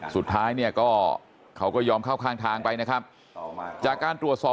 สุดท้ายเนี่ยก็เขาก็ยอมเข้าข้างทางไปนะครับจากการตรวจสอบ